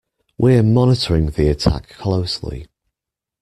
We're monitoring the attack closely.